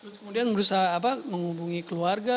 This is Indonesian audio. terus kemudian berusaha menghubungi keluarga